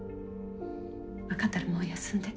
分かったらもう休んで。